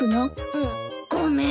うっごめん。